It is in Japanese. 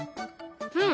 うん！